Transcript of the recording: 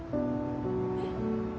えっ？